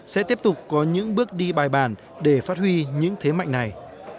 sẽ tiếp tục có những bước đi bài bản để phát huy những thế mạnh này